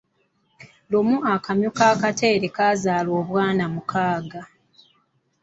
Lumu akamyu ka Kateera kazaala obwana mukaaga.